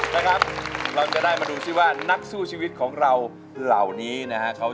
นะครับเราจะได้มาดูซิว่านักสู้ชีวิตของเราเหล่านี้นะฮะ